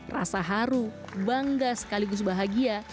rasa haru bangga sekaligus bahagia